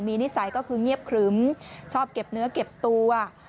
มีนิสัยก็คือเงียบครึ้มชอบเก็บเนื้อเก็บตัว